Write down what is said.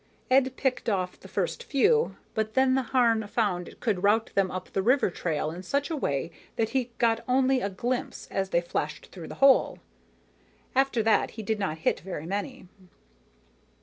Ed picked off the first few, but then the Harn found it could route them up the river trail in such a way that he got only a glimpse as they flashed through the hole. After that he did not hit very many.